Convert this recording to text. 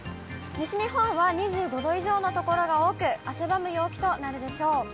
西日本は２５度以上の所が多く、汗ばむ陽気となるでしょう。